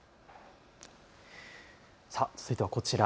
さあ、続いてはこちら。